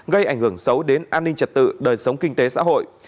gây ảnh hưởng xấu đến an ninh trật tự đời sống kinh tế xã hội